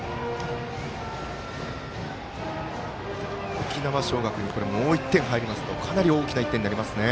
沖縄尚学にもう１点が入りますとかなり大きな１点になりますね。